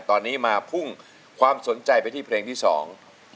ตอนนี้มาพุ่งความสนใจไปที่เพลงที่สอง